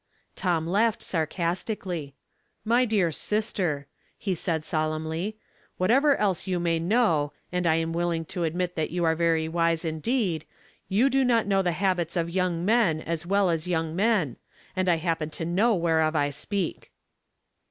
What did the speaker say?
Tom laughed sarcastically. " My dear sister," he said, solemnly, " what ever else you may know, and I am willing to admit that you are very wise indeed, you do not know the habits of young men as well as young men, and I happen to know whereof I speak."